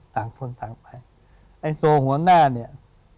ต่างคนต่างไปไอ้ตัวหัวหน้าเนี่ย